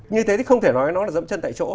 như thế thì không thể nói nó là dẫm chân tại chỗ